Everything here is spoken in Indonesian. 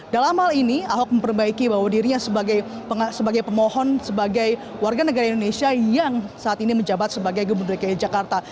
dalam hal ini ahok memperbaiki bahwa dirinya sebagai pemohon sebagai warga negara indonesia yang saat ini menjabat sebagai gubernur dki jakarta